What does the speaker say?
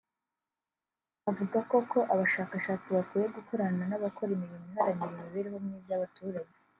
avuga ko ko abashakashatsi bakwiye gukorana n’abakora imirimo iharanira imibereho myiza y’abaturage